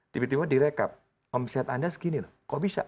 tiba tiba direkap omset anda segini loh kok bisa